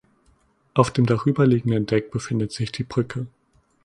Auf dem darüber liegenden Deck befindet sich die Brücke.